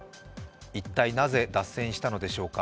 一体、なぜ脱輪したのでしょうか